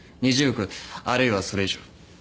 ２０億あるいはそれ以上